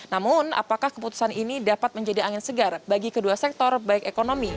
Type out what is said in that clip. namun apakah keputusan ini dapat menjadi angin segar bagi kedua sektor baik ekonomi